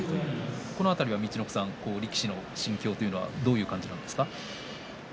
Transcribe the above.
この辺りは陸奥さん力士の心境というのはどういう感じなんですか。